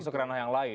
masalah yang lain